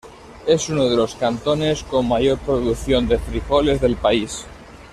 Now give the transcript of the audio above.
Es uno de los cantones con mayor producción de frijoles del país.